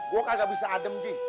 gua kagak bisa adem g